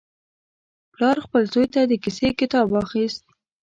پلار خپل زوی ته د کیسې کتاب واخیست.